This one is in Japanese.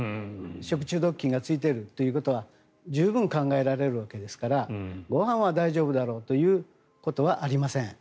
食中毒菌がついているということは十分考えられるわけですからご飯は大丈夫だろうということはありません。